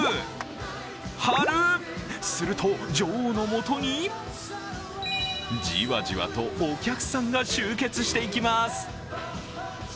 すると、女王のもとにじわじわとお客さんが集結していきます。